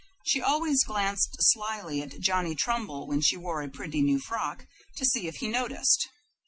She always glanced slyly at Johnny Trumbull when she wore a pretty new frock, to see if he noticed.